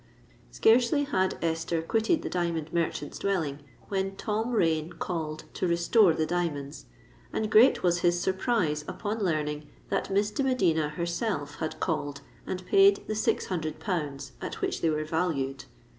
Scarcely had Esther quitted the diamond merchant's dwelling, when Tom Rain called to restore the diamonds; and great was his surprise upon learning that Miss de Medina herself had called and paid the six hundred pounds at which they were valued.